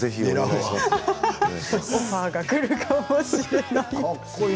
オファーが来るかもしれない。